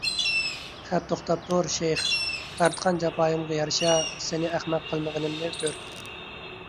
خەپ توختاپتۇر، شەيخ! تارتقان جاپايىمغا يارىشا سېنى ئەخمەق قىلمىغىنىمنى كۆر!